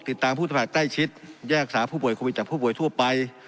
ติดตามผู้สมัครใกล้ชิดแยกสาผู้ป่วยโควิดจากผู้ป่วยทั่วไป